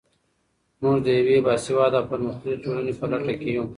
موږ د یوې باسواده او پرمختللې ټولنې په لټه کې یو.